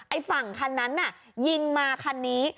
ไอ้ฝั่งคันนั้นน่ะยิงมาคันนี้